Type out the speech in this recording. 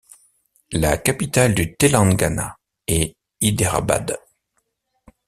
La capitale du Telangana est Hyderabad.